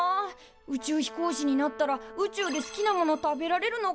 宇宙飛行士になったら宇宙で好きなもの食べられるのかな。